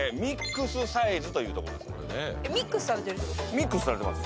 ミックスされてます。